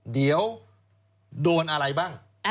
เดี๋ยวโดนอะไรบ้าง